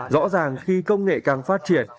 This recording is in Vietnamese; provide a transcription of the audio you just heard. rõ ràng khi công nghệ càng phát triển